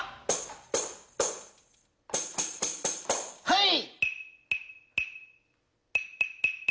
はい。